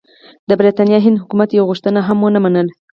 د برټانوي هند حکومت یوه غوښتنه هم ونه منله.